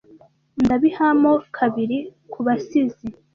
ndabiha mo kabiri kubasizi